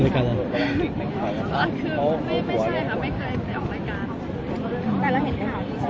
ไม่ใช่ครับไม่เคยที่จะออกรายการ